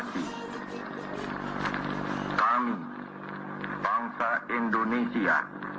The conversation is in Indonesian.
kami bangsa indonesia